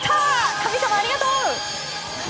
神様ありがとう。